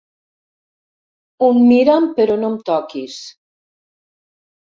Un mira'm però no em toquis.